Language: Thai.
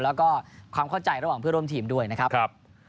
แล้วก็ความเข้าใจระหว่างเพื่อร่วมทีมด้วยนะครับ